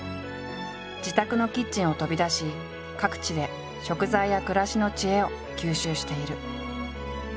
自宅のキッチンを飛び出し各地で食材や暮らしの知恵を吸収している。